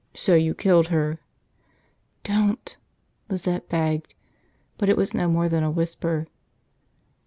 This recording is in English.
"So you killed her." "Don't," Lizette begged, but it was no more than a whisper.